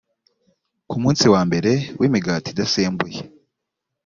ku munsi wa mbere w imigati idasembuwe